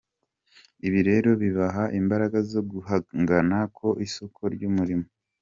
Ibi rero bibaha imbaraga zo guhangana ku isoko ry’umurimo.